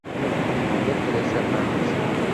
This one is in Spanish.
María Teresa Hernández.